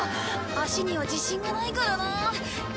足には自信がないからなあ。